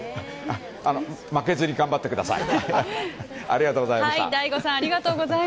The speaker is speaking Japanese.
負けずに頑張ってください。